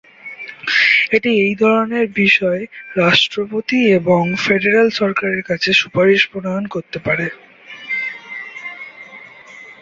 এটি এই ধরনের বিষয়ে রাষ্ট্রপতি এবং ফেডারেল সরকারের কাছে সুপারিশ প্রণয়ন করতে পারে।